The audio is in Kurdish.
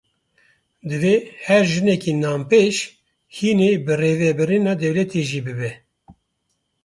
Divê her jineke nanpêj, hînî birêvebirina dewletê jî bibe.